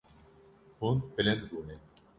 Hûn bilind bûne.